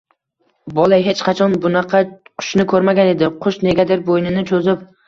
Bola hech qachon bunaqa qushni ko’rmagan edi. Qush negadir bo’ynini cho’zib